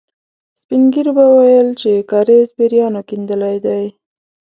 سپين ږيرو به ويل چې کاریز پېريانو کېندلی دی.